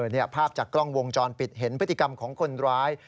นี่ภาพจากกล้องวงจรปิดเห็นพฤติกรรมของคนร้าย